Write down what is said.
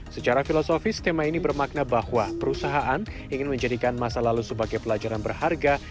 secara filosofis tema ini bermakna bahwa perusahaan ingin menjadikan masa lalu sebagai pelajaran berharga